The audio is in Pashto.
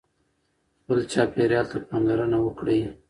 خپل چاپېریال ته پاملرنه وکړئ.